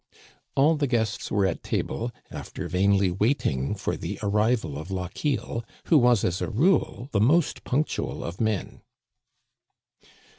All the guests were at table, after vainly waiting for the arrival of Lochiel, who was as a rule the most punc tual of men.